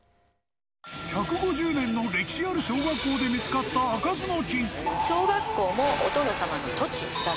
１５０年の歴史ある小学校で見つかった開かずの金庫。